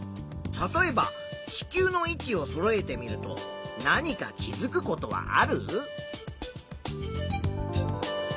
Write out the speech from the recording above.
例えば地球の位置をそろえてみると何か気づくことはある？